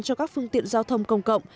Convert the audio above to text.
cho các phương tiện giao thông công cộng